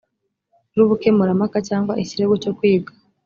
rubukemurampaka cyangwa ikirego cyokwiga